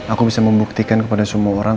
aku bisa membuktikan kepada semua orang